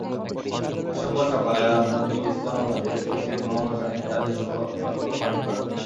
আজ সোমবার সকালে রাজধানী ইসলামাবাদে প্রেসিডেন্ট মামনুন হুসাইন তাঁদের শপথবাক্য পাঠ করান।